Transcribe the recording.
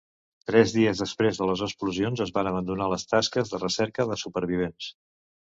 Tres dies després de les explosions es van abandonar les tasques de recerca de supervivents.